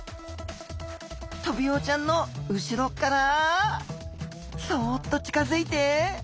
トビウオちゃんの後ろからそっと近づいて。